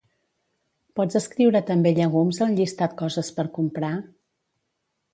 Pots escriure també llegums al llistat coses per comprar?